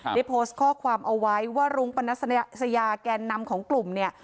ได้โพสต์ข้อความเอาไว้ว่ารุ้งปนัสยาแกนนำของกลุ่มเนี่ย